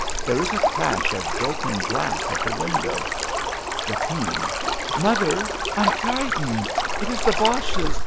There is a crash of broken glass at the window.) Bettine. Mother, I'm frightened ! It is the Boches